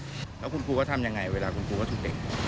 แล้วคุณครูก็ทำยังไงเวลาคุณครูก็ถูกเด็ก